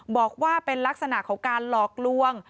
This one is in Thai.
บอกว่าเป็นลักษณะของการหลอกลวง